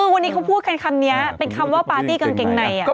วันนี้เขาพูดกันคำนี้เป็นคำว่าปาร์ตี้กางเกงใน